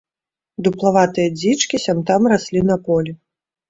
Дуплаватыя дзічкі сям-там раслі на полі.